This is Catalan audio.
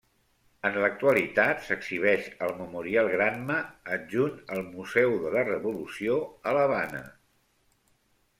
En l'actualitat s'exhibeix al Memorial Granma adjunt al Museu de la Revolució a l'Havana.